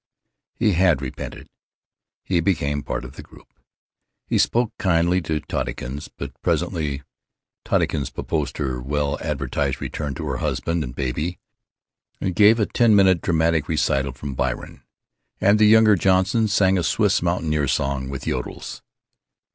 He had repented. He became part of the group. He spoke kindly to Tottykins. But presently Tottykins postponed her well advertised return to her husband and baby, and gave a ten minute dramatic recital from Byron; and the younger Johnson sang a Swiss mountaineer song with yodels.